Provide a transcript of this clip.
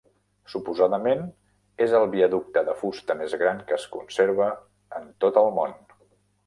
Suposadament, és el viaducte de fusta més gran que es conserva en tot el món.